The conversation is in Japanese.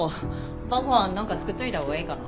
晩ごはん何か作っといた方がええかな？